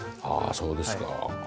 ああそうですか。